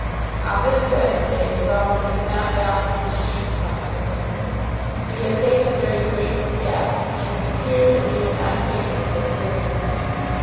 On this Wednesday he found that he could not balance his sheet comfortably. He had taken a very great step and he feared that he had not taken it with wisdom.